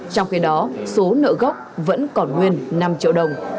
trong khi đó số nợ gốc vẫn còn nguyên năm triệu đồng